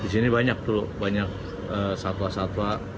di sini banyak tuh banyak satwa satwa